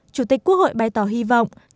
chủ tịch quốc hội bày tỏ hy vọng